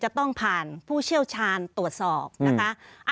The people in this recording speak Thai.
จะต้องผ่านผู้เชี่ยวชาญตรวจสอบนะคะ